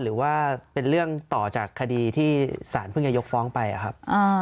หรือว่าเป็นเรื่องต่อจากคดีที่สารเพิ่งจะยกฟ้องไปครับ